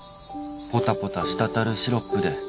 「ポタポタしたたるシロップで」